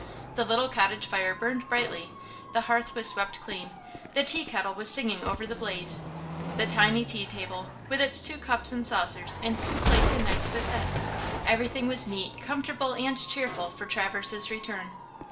The little cottage fire burned brightly; the hearth was swept clean; the tea kettle was singing over the blaze; the tiny tea table, with its two cups and saucers and two plates and knives was set: everything was neat, comfortable and cheerful for Traverse's return.